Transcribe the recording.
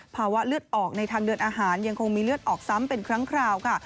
ภาวะเลือดออกในทางเดินอาหารยังคงมีเลือดออกซ้ำเป็นครั้งคราวค่ะ